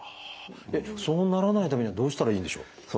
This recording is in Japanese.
そうならないためにはどうしたらいいんでしょう？